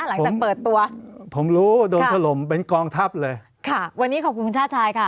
หลังจากเปิดตัวผมรู้โดนถล่มเป็นกองทัพเลยค่ะวันนี้ขอบคุณคุณชาติชายค่ะ